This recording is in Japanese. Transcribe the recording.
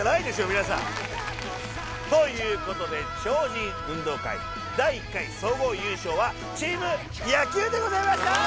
皆さん。ということで超人運動会第１回総合優勝はチーム野球でございました！